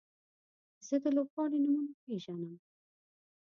زه د لوبغاړو نومونه پیژنم.